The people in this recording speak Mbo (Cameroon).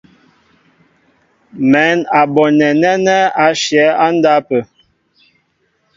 Mɛ̌n a bonɛ nɛ́nɛ́ á shyɛ̌ á ndápə̂.